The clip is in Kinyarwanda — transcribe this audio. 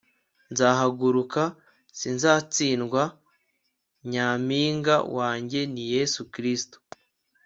nzahaguruka! sinzatsindwa! nyampinga wanjye ni yesu kristo